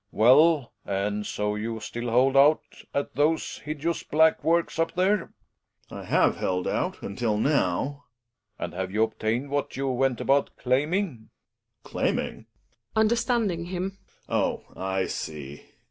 Well, and so you still h old out at those hideous black Works up the re? Gregers. I have held out until now. Relling. And have you obtained what you went about claiming ? Gregers. Claiming? {Understanding him.) Oh! I see.